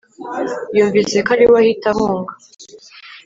Yumvise ko ariwe ahita ahunga